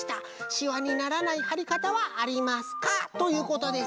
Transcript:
しわにならないはりかたはありますか？」ということです。